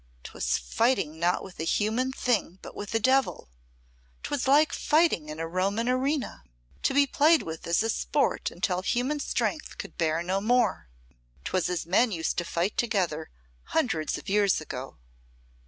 'twas fighting not with a human thing but with a devil! 'Twas like fighting in a Roman arena, to be played with as a sport until human strength could bear no more; 'twas as men used to fight together hundreds of years ago.